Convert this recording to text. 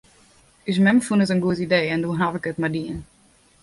Us mem fûn it in goed idee en doe haw ik it mar dien.